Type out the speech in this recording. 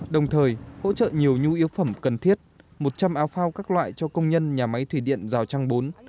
đồng thời hỗ trợ nhiều nhu yếu phẩm cần thiết một trăm linh áo phao các loại cho công nhân nhà máy thủy điện rào trang bốn